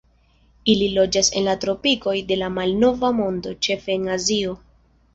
Ili loĝas en la tropikoj de la Malnova Mondo, ĉefe en Azio.